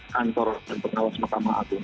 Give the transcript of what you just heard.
kantor dan pengawas mahkamah agung